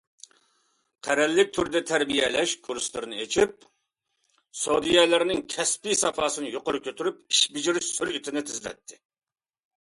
قەرەللىك تۈردە تەربىيەلەش كۇرسلىرىنى ئېچىپ، سودىيەلەرنىڭ كەسپى ساپاسىنى يۇقىرى كۆتۈرۈپ، ئىش بېجىرىش سۈرئىتىنى تېزلەتتى.